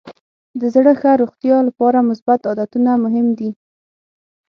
د زړه ښه روغتیا لپاره مثبت عادتونه مهم دي.